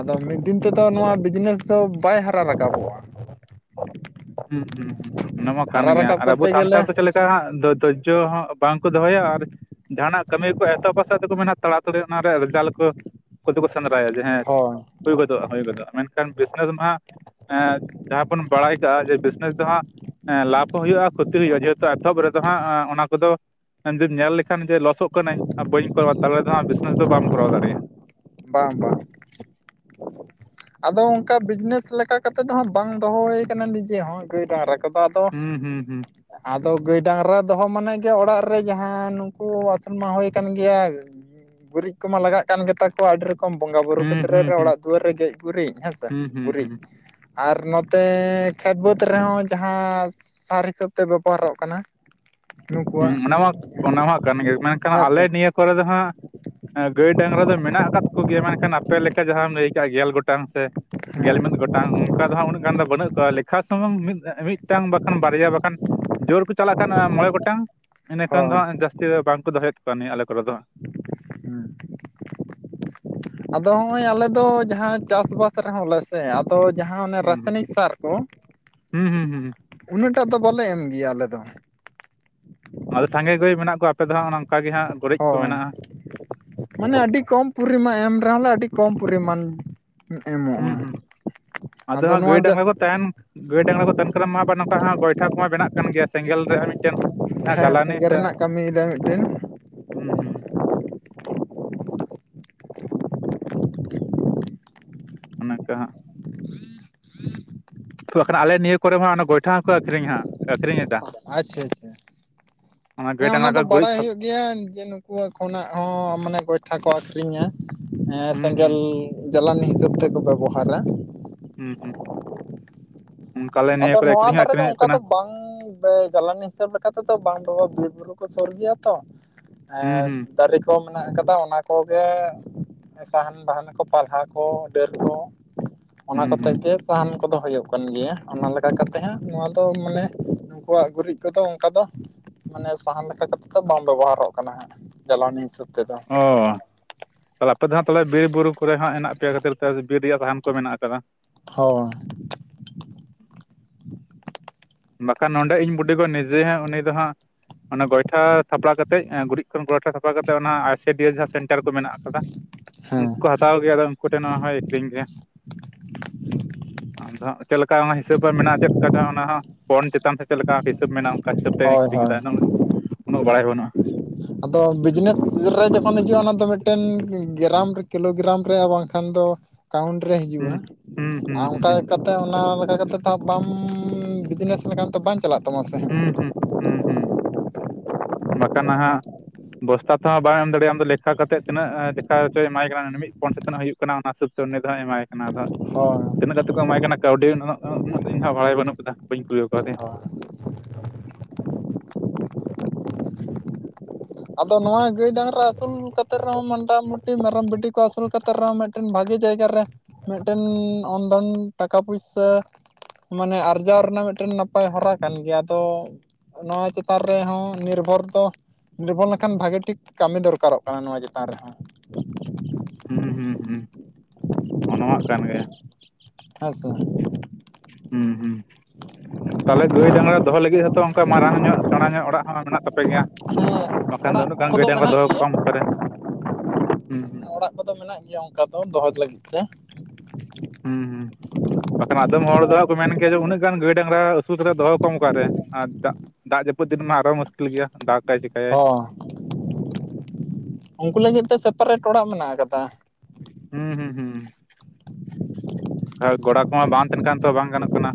ᱟᱫᱚ ᱢᱤᱫ ᱫᱤᱱ ᱛᱮᱫᱚ ᱱᱚᱣᱟ ᱵᱤᱡᱽᱱᱮᱥ ᱫᱚ ᱵᱟᱭ ᱦᱟᱨᱟ ᱨᱟᱠᱟᱵᱚᱜᱼᱟ ᱦᱩᱸ ᱦᱩᱸ ᱦᱩᱸ ᱾ ᱚᱱᱟᱢᱟ ᱠᱟᱱ ᱦᱟᱨᱟ ᱜᱮᱭᱟ ᱨᱟᱠᱟᱵ ᱟᱨ ᱟᱵᱚ ᱠᱚᱨᱛᱮ ᱥᱟᱱᱛᱟᱲ ᱫᱚ ᱜᱮᱞᱮ ᱛᱟᱞ ᱚᱱᱠᱟ ᱦᱟᱸᱜ ᱫᱷᱚᱨᱡᱚ ᱦᱚᱸ ᱵᱟᱝ ᱠᱚ ᱫᱚᱦᱚᱭᱟ ᱟᱨ ᱡᱟᱦᱟᱱᱟᱜ ᱠᱟᱹᱢᱤ ᱠᱚ ᱮᱛᱚᱦᱚᱵᱟ ᱥᱮ ᱛᱮᱠᱚ ᱢᱮᱱᱟ ᱛᱟᱲᱟ ᱛᱚ ᱚᱱᱟ ᱨᱮᱭᱟᱜ ᱨᱮᱡᱟᱞᱴ ᱠᱚ ᱩᱱᱠᱩ ᱫᱚᱠᱚ ᱥᱮᱸᱫᱽᱨᱟᱭᱟ ᱡᱮ ᱦᱮᱸ ᱦᱳᱭ ᱜᱚᱫᱚᱜᱼᱟ ᱦᱳᱭ ᱜᱚᱫᱚᱜᱼᱟ ᱢᱮᱱᱠᱷᱟᱱ ᱵᱤᱡᱽᱱᱮᱥ ᱢᱟ ᱮᱸ ᱡᱟᱦᱟᱸ ᱵᱚᱱ ᱵᱟᱲᱟᱭ ᱠᱟᱜᱼᱟ ᱡᱮ ᱵᱤᱡᱽᱱᱮᱥ ᱫᱚ ᱦᱟᱸᱜ ᱞᱟᱵᱷ ᱦᱚᱸ ᱦᱩᱭᱩᱜᱼᱟ ᱠᱷᱚᱛᱤ ᱦᱩᱭᱩᱜᱼᱟ ᱡᱮᱦᱮᱛᱩ ᱮᱛᱚᱦᱚᱵ ᱨᱮᱫᱚ ᱦᱟᱸᱜ ᱚᱱᱟ ᱠᱚᱫᱚ ᱧᱮᱞ ᱞᱮᱠᱷᱟᱱ ᱡᱮ ᱞᱚᱥᱚᱜ ᱠᱟᱹᱱᱟᱹᱧ ᱵᱟᱹᱧ ᱠᱚᱨᱟᱣᱟ ᱛᱟᱦᱚᱞᱮ ᱫᱚ ᱦᱟᱸᱜ ᱰᱮᱥᱼ ᱚᱱᱟ ᱫᱚ ᱵᱟᱢ ᱠᱚᱨᱟᱣ ᱫᱟᱲᱮᱭᱟᱜᱼᱟ ᱵᱟᱝ ᱵᱟᱝ ᱟᱫᱚ ᱚᱱᱠᱟ ᱵᱤᱡᱽᱱᱮᱥ ᱞᱮᱠᱟ ᱠᱟᱛᱮᱜ ᱫᱚ ᱦᱟᱸᱜ ᱵᱟᱝ ᱫᱚᱦᱚ ᱦᱩᱭ ᱠᱟᱱᱟ ᱱᱤᱡᱮ ᱦᱚᱸ ᱜᱟᱹᱭ ᱵᱟᱝᱨᱟ ᱠᱚᱫᱚ ᱱᱤᱛᱚᱜ ᱫᱚ ᱟᱫᱚ ᱦᱩᱸ ᱦᱩᱸ ᱦᱩᱸ ᱟᱫᱚ ᱜᱟᱹᱭ ᱰᱟᱝᱨᱟ ᱫᱚᱦᱚ ᱢᱟᱱᱮ ᱜᱮ ᱚᱲᱟᱜ ᱨᱮ ᱡᱟᱦᱟᱸ ᱱᱩᱠᱩ ᱢᱟ ᱦᱩᱭ ᱠᱟᱱ ᱜᱮᱭᱟ ᱜᱩᱨᱤᱡ ᱠᱚᱢᱟ ᱞᱟᱜᱟᱜ ᱠᱟᱱ ᱜᱮᱛᱟ ᱠᱚᱣᱟ ᱟᱹᱰᱤ ᱨᱚᱠᱚᱢ ᱠᱚᱢ ᱵᱚᱸᱜᱟ ᱵᱵᱩᱨᱩ ᱦᱩᱸ ᱠᱷᱮᱛᱨᱮ ᱦᱩᱸ ᱨᱮ ᱦᱩᱸ ᱚᱲᱟᱜ ᱫᱩᱣᱟᱹᱨ ᱨᱮ ᱜᱮᱡ ᱜᱩᱨᱤᱡ ᱦᱮᱸ ᱥᱮ ᱦᱩᱸ ᱦᱩᱸ ᱜᱩᱨᱤᱡ ᱦᱩᱸ ᱟᱨ ᱱᱚᱛᱮ ᱠᱷᱮᱛ ᱵᱟᱹᱫᱽ ᱨᱮᱦᱚᱸ ᱡᱟᱦᱟᱸ ᱥᱟᱨ ᱦᱤᱥᱟᱹᱵ ᱛᱮ ᱵᱮᱵᱚᱦᱟᱨᱚᱜ ᱠᱟᱱᱟ᱾ ᱱᱩᱠᱩᱣᱟᱜ ᱦᱮᱸ ᱚᱱᱟ ᱢᱟ ᱚᱱᱟ ᱢᱟ ᱠᱟᱱ ᱜᱮᱭᱟ ᱢᱮᱱᱠᱷᱟᱱ ᱦᱮᱸ ᱥᱮ ᱟᱞᱮ ᱱᱤᱭᱟᱹ ᱠᱚᱨᱮ ᱫᱚ ᱦᱟᱸᱜ ᱜᱟᱹᱭ ᱰᱟᱝᱨᱟ ᱫᱚ ᱢᱮᱱᱟᱜ ᱟᱠᱟᱫ ᱠᱚᱜᱮᱭᱟ ᱢᱮᱱᱠᱷᱟᱱ ᱟᱯᱮ ᱞᱮᱠᱟ ᱡᱟᱦᱟᱸᱢ ᱞᱟᱹᱭ ᱠᱟᱜᱼᱟ ᱜᱮᱞ ᱜᱚᱴᱟᱝ ᱥᱮ ᱜᱮᱞ ᱦᱮᱸ ᱢᱤᱫ ᱜᱚᱴᱟᱝ ᱚᱱᱠᱟ ᱫᱚ ᱦᱟᱜ ᱩᱱᱟᱹᱜ ᱜᱟᱱ ᱫᱚ ᱵᱟᱹᱱᱩᱜ ᱠᱚᱣᱟ᱾ ᱞᱮᱠᱷᱟ ᱥᱩᱢᱩᱝ ᱢᱤᱫ ᱢᱤᱫᱴᱟᱝ ᱵᱟᱠᱷᱟᱱ ᱵᱟᱨᱭᱟ ᱵᱟᱠᱷᱟᱱ ᱡᱳᱨ ᱠᱚ ᱪᱟᱞᱟᱜ ᱠᱷᱟᱱ ᱢᱚᱬᱮ ᱜᱚᱴᱟᱝ ᱤᱱᱟ ᱠᱷᱟᱱ ᱫᱚ ᱦᱚᱸ ᱦᱟᱸᱜ ᱡᱟᱹᱥᱛᱤ ᱫᱚ ᱵᱟᱝᱠᱚ ᱫᱚᱦᱚᱭᱮᱫ ᱠᱚᱣᱟ ᱱᱤᱭᱟᱹ ᱟᱞᱮ ᱠᱚᱨᱮ ᱫᱚ ᱦᱟᱸᱜ᱾ ᱦᱮᱸ [unintelligible] ᱟᱫᱚ ᱦᱚᱸᱜᱼᱚᱭ ᱟᱞᱮ ᱫᱚ ᱡᱟᱦᱟᱸ ᱪᱟᱥᱼᱵᱟᱥ ᱨᱮᱦᱚᱸ ᱞᱮ ᱥᱮ ᱟᱫᱚ ᱡᱟᱦᱟᱸ ᱚᱱᱮ ᱦᱩᱸ ᱨᱟᱥᱟᱭᱱᱤᱠ ᱥᱟᱨ ᱠᱚ ᱦᱩᱸ ᱦᱩ ᱦᱩᱸ ᱩᱱᱟᱹᱜ ᱴᱟᱫᱚ ᱵᱟᱞᱮ ᱮᱢ ᱜᱮᱭᱟ ᱟᱞᱮ ᱫᱚ᱾ ᱚᱱᱟᱫᱚ ᱥᱟᱸᱜᱮ ᱜᱟᱹᱭ ᱢᱮᱱᱟᱜ ᱠᱚᱣᱟ ᱟᱯᱮ ᱫᱚ ᱦᱟᱸᱜ ᱚᱱ ᱚᱱᱠᱟᱜ ᱜᱮ ᱦᱟᱸᱜ ᱜᱩᱨᱤᱡ ᱠᱚ ᱦᱳᱭ ᱢᱮᱱᱟᱜᱼᱟ᱾ ᱢᱟᱱᱮ ᱟᱹᱰᱤ ᱠᱚᱢ ᱯᱚᱨᱤᱢᱟᱱ ᱮᱢ ᱨᱮᱦᱚᱸ ᱞᱮ ᱟᱹᱰᱤ ᱠᱚᱢ ᱯᱚᱨᱤᱢᱟᱱ ᱦᱩᱸ ᱮᱢᱚᱜᱼᱟ ᱦᱩᱸ ᱟᱫᱚ ᱦᱟᱸᱜ ᱜᱟᱹᱭ ᱱᱚᱣᱟ ᱡᱟᱥ ᱰᱟᱝᱨᱟ ᱠᱚ ᱛᱟᱦᱮᱱ ᱜᱟᱹᱭ ᱰᱟᱝᱨᱟ ᱠᱚ ᱛᱟᱦᱮᱱ ᱠᱟᱱᱟ ᱢᱟ ᱟᱵᱟᱨ ᱱᱚᱝᱠᱟ ᱜᱚᱭᱴᱷᱟ ᱠᱚᱢᱟ ᱵᱮᱱᱟᱜ ᱠᱟᱱ ᱜᱮᱭᱟ ᱥᱮᱸᱜᱮᱞ ᱨᱮᱭᱟᱜ ᱢᱤᱫᱴᱮᱱ ᱡᱟᱦᱟᱸ ᱦᱮᱸ ᱡᱟᱞᱟᱱᱤ ᱥᱮᱸᱜᱮᱞ ᱥᱮ ᱨᱮᱱᱟᱜ ᱠᱟᱹᱢᱤᱭᱮᱫᱟᱭ ᱢᱤᱫᱴᱮᱱ ᱦᱩᱸ ᱦᱩᱸ ᱚᱱᱠᱟ ᱦᱟᱜ [unintelligible] ᱟᱞᱮ ᱱᱤᱭᱟᱹ ᱠᱚᱨᱮ ᱦᱚᱸ ᱚᱱᱟ ᱜᱚᱭᱴᱷᱟ ᱦᱚᱸᱠᱚ ᱟᱹᱠᱷᱨᱤᱧ ᱦᱟᱜ ᱟᱠᱷᱨᱤᱧᱮᱫᱟ᱾ ᱟᱪᱪᱷᱟ ᱟᱪᱪᱷᱟ ᱜᱟᱹᱭ ᱦᱮᱸ ᱰᱟᱝᱨᱟ ᱚᱱᱟ ᱠᱚ ᱫᱚ ᱜᱩᱨᱤᱡ ᱵᱟᱲᱟᱭ ᱛᱷᱟᱯ ᱦᱩᱭᱩᱜ ᱜᱮᱭᱟ ᱡᱮ ᱩᱱᱠᱩ ᱠᱷᱚᱱᱟᱜ ᱦᱚᱸ ᱢᱟᱱᱮ ᱜᱚᱭᱴᱷᱟ ᱠᱚ ᱟᱹᱠᱷᱨᱤᱧᱟ ᱦᱮᱸ ᱦᱩᱸ ᱦᱩᱸ ᱥᱮᱸᱜᱮᱞ ᱡᱟᱞᱟᱱᱤ ᱦᱤᱥᱟᱹᱵ ᱛᱮᱠᱚ ᱵᱮᱵᱚᱦᱟᱨᱟ᱾ ᱦᱩᱸ ᱦᱩᱸ ᱚᱱᱠᱟ ᱟᱞᱮ ᱱᱤᱭᱟᱹ ᱟᱫᱚ ᱠᱚᱨᱮ ᱱᱚᱣᱟ ᱟᱹᱠᱷᱨᱤᱧ ᱦᱚᱸ ᱫᱷᱟᱨᱮ ᱫᱚ ᱟᱹᱠᱷᱨᱤᱧᱚᱜ ᱚᱱᱠᱟ ᱠᱟᱱᱟ ᱫᱚ ᱵᱟᱝ ᱛᱮ ᱡᱟᱞᱟᱱᱤ ᱦᱤᱥᱟᱹᱵ ᱞᱮᱠᱟ ᱛᱮᱫᱚ ᱵᱟᱝ ᱵᱮᱵᱚ ᱵᱤᱨ ᱵᱩᱨᱩ ᱠᱚ ᱥᱩᱨ ᱜᱮᱭᱟ ᱛᱚ ᱦᱩᱸ ᱟᱨ ᱦᱩᱸ ᱫᱟᱨᱮ ᱠᱚ ᱢᱮᱱᱟᱜ ᱟᱠᱟᱫᱟ ᱚᱱᱟ ᱠᱚᱜᱮ ᱥᱟᱦᱟᱱ ᱵᱟᱦᱟᱱ ᱱᱟᱠᱚ ᱯᱟᱞᱦᱟ ᱠᱚ ᱰᱟᱹᱨ ᱠᱚ ᱚᱱᱟ ᱦᱩᱸ ᱠᱚᱛᱮ ᱦᱩᱸ ᱜᱮ ᱥᱟᱦᱟᱱ ᱠᱚᱫᱚ ᱦᱩᱭᱩᱜ ᱠᱟᱱ ᱜᱮᱭᱟ᱾ ᱚᱱᱟ ᱞᱮᱠᱟ ᱠᱟᱛᱮ ᱦᱟᱸᱜ ᱱᱚᱣᱟ ᱫᱚ ᱢᱟᱱᱮ ᱩᱱᱩᱠᱩᱣᱟᱜ ᱜᱩᱨᱤᱡ ᱠᱚᱫᱚ ᱚᱱᱠᱟ ᱫᱚ ᱢᱟᱱᱮ ᱥᱟᱦᱟᱱ ᱞᱮᱠᱟ ᱠᱟᱛᱮ ᱫᱚ ᱵᱟᱢ ᱵᱮᱵᱚᱦᱟᱨᱚᱜ ᱠᱟᱱᱟ ᱦᱟᱸᱜ ᱡᱟᱞᱟᱱᱤ ᱦᱤᱥᱟᱹᱵ ᱛᱮᱫᱚ ᱦᱩ ᱛᱟᱦᱚᱞᱮ ᱟᱯᱮ ᱫᱚ ᱦᱟᱸᱜ ᱯᱟᱞᱮ ᱵᱤᱨ ᱵᱩᱨᱩ ᱠᱚᱨᱮ ᱦᱚᱸ ᱦᱮᱱᱟᱜ ᱯᱮᱭᱟ ᱠᱷᱟᱹᱛᱤᱨ ᱛᱮ ᱵᱤᱨ ᱨᱮᱭᱟᱜ ᱥᱟᱦᱟᱱ ᱠᱚ ᱢᱮᱱᱟᱜ ᱟᱠᱟᱫᱟ? ᱦᱚᱭ ᱵᱟᱠᱷᱟᱱ ᱱᱚᱰᱮ ᱤᱧ ᱵᱩᱰᱤᱜᱚ ᱱᱤᱡᱮ ᱩᱱᱤ ᱫᱚ ᱦᱟᱸᱜ ᱚᱱᱮ ᱜᱚᱭᱴᱟ ᱛᱷᱟᱯᱲᱟ ᱠᱟᱛᱮᱜ ᱜᱩᱨᱤᱡ ᱜᱳᱭᱴᱷᱟ ᱥᱟᱯᱷᱟ ᱠᱟᱛᱮ ᱚᱱᱟ ᱟᱭᱥᱤᱰᱤᱭᱮᱥ ᱥᱮᱱᱴᱟᱨ ᱠᱚ ᱢᱮᱱᱟᱜ ᱟᱠᱟᱫᱟ ᱦᱮᱸ ᱩᱱᱠᱩ ᱦᱟᱛᱟᱣ ᱜᱮᱭᱟ ᱟᱫᱚ ᱩᱱᱠᱩ ᱴᱷᱮᱱ ᱱᱚᱣᱟ ᱦᱚᱸᱭ ᱟᱹᱠᱷᱨᱤᱧ ᱜᱮᱭᱟ᱾ ᱟᱫᱚ ᱪᱮᱫ ᱞᱮᱠᱟ ᱚᱱᱟ ᱦᱤᱥᱟᱹᱵ ᱟᱜ ᱢᱮᱱᱟᱜᱼᱟ ᱪᱮᱫᱠᱟ ᱪᱚ ᱚᱱᱟ ᱦᱚᱸ ᱯᱚᱱ ᱪᱮᱛᱟᱱ ᱛᱮ ᱪᱮᱫ ᱞᱮᱠᱟ ᱦᱤᱥᱟᱹᱵ ᱢᱮᱱᱟᱜᱼᱟ ᱚᱱᱠᱟ ᱦᱤᱥᱟᱹᱵ ᱛᱮᱧ ᱦᱳᱭ ᱟᱹᱠᱷᱨᱤᱧ ᱮᱫᱟ ᱦᱳᱭ ᱩᱱᱟᱹᱜ ᱵᱟᱲᱟᱭ ᱵᱟᱹᱱᱩᱜᱼᱟ᱾ ᱟᱫᱚ ᱵᱤᱡᱽᱱᱮᱥ ᱨᱮ ᱡᱚᱠᱷᱚᱱ ᱦᱤᱡᱩᱜᱼᱟ ᱚᱱᱟ ᱫᱚ ᱢᱤᱫᱴᱮᱱ ᱜᱨᱟᱢ ᱨᱮ ᱠᱤᱞᱳᱜᱨᱟᱢ ᱨᱮ ᱵᱟᱝᱠᱷᱟᱱ ᱫᱚ ᱠᱟᱣᱩᱱᱴ ᱨᱮ ᱦᱤᱡᱩᱜᱼᱟ ᱦᱩᱸ ᱦᱩᱸ ᱦᱩᱸ ᱟᱨ ᱚᱱᱠᱟ ᱦᱩᱸ ᱞᱮᱠᱟᱛᱮ ᱚᱱᱟ ᱞᱮᱠᱟᱛ ᱛᱚ ᱵᱟᱢ ᱵᱤᱡᱽᱱᱮᱥ ᱞᱮᱠᱟᱱ ᱛᱚ ᱵᱟᱝ ᱪᱟᱞᱟᱜ ᱛᱟᱢᱟ ᱥᱮ᱾ ᱦᱟᱸᱜ ᱦᱩᱸ- ᱦᱩᱸ - ᱦᱩᱸ - ᱦᱩᱸ ᱵᱟᱠᱷᱟᱱ ᱱᱟᱦᱟᱜ ᱵᱚᱥᱛᱟ ᱛᱮᱦᱚᱸ ᱵᱟᱢ ᱮᱢ ᱫᱟᱲᱮᱭᱟᱜᱼᱟ ᱟᱢ ᱞᱮᱠᱷᱟ ᱠᱟᱛᱮ ᱛᱤᱱᱟᱹᱜ ᱫᱮᱠᱷᱟᱪᱚᱭ ᱮᱢᱟᱭ ᱠᱟᱱᱟ ᱢᱤᱫ ᱯᱚᱱ ᱥᱮᱛᱤᱱᱟᱜ ᱦᱩᱭᱩᱜ ᱠᱟᱱᱟ ᱚᱱᱟ ᱦᱤᱥᱟᱵ ᱛᱚ ᱩᱱᱤᱫᱚᱭ ᱮᱢᱟᱭ ᱠᱟᱱᱟ ᱫᱚ ᱦᱟᱸᱜ᱾ ᱦᱳᱭ, ᱛᱤᱱᱟᱹᱜ ᱠᱟᱛᱮᱜ ᱠᱚ ᱮᱢᱟᱭ ᱠᱟᱱᱟ ᱠᱟᱹᱣᱰᱤ ᱩᱱᱟᱹᱜ ᱫᱚ ᱤᱧ ᱦᱚᱸ ᱵᱷᱟᱲᱟᱭ ᱵᱟᱹᱱᱩᱜ ᱠᱟᱫᱟ ᱵᱟᱹᱧ ᱠᱩᱞᱤ ᱠᱟᱣᱫᱮᱭᱟ᱾ ᱦᱳᱭ ᱟᱫᱚ ᱱᱚᱣᱟ ᱜᱟᱹᱭ ᱰᱟᱝᱨᱟ ᱟᱹᱥᱩᱞ ᱱᱚᱣᱟ ᱜᱟᱹᱭ ᱵᱟᱝᱨᱜᱟ ᱟᱥᱩᱞ ᱠᱟᱛᱮᱫ ᱨᱮᱦᱚᱸ ᱢᱟᱱᱴᱟᱢᱚᱴᱤ ᱢᱮᱨᱚᱢ ᱵᱷᱤᱴᱤ ᱠᱚ ᱟᱹᱥᱩᱞ ᱠᱟᱛᱮᱫ ᱨᱮᱦᱚᱸ ᱢᱤᱫᱴᱮᱱ, ᱢᱤᱫᱴᱮᱱ ᱵᱷᱟᱜᱮ ᱡᱟᱭᱜᱟ ᱨᱮ ᱢᱤᱫᱴᱮᱱ ᱚᱱᱫᱷᱚᱱ ᱴᱟᱠᱟ ᱯᱩᱭᱥᱟᱹ᱾ ᱢᱟᱱᱮ ᱟᱨᱡᱟᱣ ᱨᱮᱱᱟᱜ ᱢᱤᱫᱴᱮᱱ ᱱᱟᱯᱟᱭ ᱦᱚᱨᱟ ᱠᱟᱱ ᱜᱮᱭᱟ ᱟᱫᱚ, ᱱᱚᱣᱟ ᱪᱮᱛᱟᱱ ᱨᱮᱦᱚᱸ ᱱᱤᱨᱵᱷᱚᱨ ᱫᱚ, ᱞᱚᱵᱚᱱ ᱞᱮᱠᱷᱟᱱ ᱵᱷᱟᱜᱤ ᱴᱷᱤᱠ ᱠᱟᱹᱢᱤ ᱫᱚᱨᱠᱟᱨᱚᱜ ᱠᱟᱱᱟ ᱱᱚᱣᱟ ᱪᱮᱛᱟᱱ ᱨᱮᱦᱚᱸ᱾ ᱦᱩᱸ ᱦᱩᱸ ᱦᱩᱸ ᱚᱱᱟᱢᱟᱜ ᱠᱟᱱ ᱜᱮ᱾ ᱦᱮᱸ ᱥᱮ, ᱦᱩᱸ ᱦᱩᱸ᱾ ᱛᱟᱦᱚᱞᱮ ᱜᱟᱹᱭ ᱰᱟᱝᱨᱟ ᱫᱚᱦᱚ ᱞᱟᱹᱜᱤᱫ ᱦᱚᱸᱛᱚ ᱚᱱᱠᱟ ᱢᱟᱨᱟᱝ ᱧᱚᱜ ᱥᱮᱬᱟ ᱧᱚᱜ ᱚᱲᱟᱜ ᱦᱚᱸ ᱢᱮᱱᱟᱜ ᱛᱟᱯᱮ ᱜᱮᱭᱟ᱾ ᱵᱟᱠᱷᱟᱱ ᱫᱚ ᱚᱲᱟᱜ ᱩᱱᱟᱹᱜ ᱜᱟᱱ ᱜᱟᱹᱭ ᱠᱚᱫᱚ ᱰᱟᱝᱜᱨᱟ ᱢᱮᱱᱟᱜ ᱫᱚᱦᱚ ᱜᱮᱭᱟ ᱠᱚᱣᱟᱢ ᱚᱠᱟᱨᱮ, ᱦᱩᱸ ᱦᱩᱸ ᱚᱲᱟᱜ ᱠᱚᱫᱚ ᱢᱮᱱᱟᱜ ᱜᱮᱭᱟ ᱚᱱᱠᱟ ᱫᱚ ᱫᱚᱦᱚ ᱞᱟᱹᱜᱤᱫ ᱛᱮ, ᱦᱩᱸ ᱦᱩᱸ ᱵᱟᱠᱷᱟᱱ, ᱮᱫᱚᱢ ᱦᱚᱲ ᱫᱚ ᱦᱟᱹᱬᱜ ᱠᱮᱭᱟ ᱡᱮ ᱩᱱᱟᱹᱜ, [unintelligible] ᱜᱟᱹᱭ ᱰᱟᱝᱨᱟ ᱟᱹᱥᱩᱞ ᱠᱟᱛᱮᱫ ᱫᱚᱦᱚ ᱠᱚᱣᱟᱢ ᱚᱠᱟᱨᱮ ᱟᱨ ᱫᱟᱜᱽ ᱫᱟᱜᱽ ᱡᱟᱹᱯᱩᱫ ᱫᱤᱱ ᱢᱟ ᱟᱨᱚ ᱢᱩᱥᱠᱤᱞ ᱜᱮᱭᱟ ᱫᱟᱜᱽ, ᱦᱚᱸ ᱩᱱᱠᱩ ᱞᱟᱹᱜᱤᱫ ᱛᱮ ᱥᱮᱯᱟᱨᱮᱴ ᱚᱲᱟᱜ ᱢᱮᱱᱟᱜ ᱟᱠᱟᱫᱟ᱾ ᱦᱩᱸ ᱦᱩᱸ ᱦᱩᱸ ᱜᱚᱲᱟ ᱠᱚᱢᱟ ᱵᱟᱝ ᱛᱟᱦᱮᱱ ᱠᱷᱟᱱ ᱛᱚ ᱵᱟᱝ ᱜᱟᱱᱚᱜ ᱠᱟᱱᱟ᱾